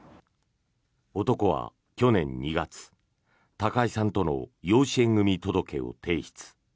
男は去年２月高井さんとの養子縁組届を提出。